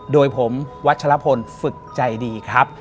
โดยผมวัชลพลฝึกใจดีครับ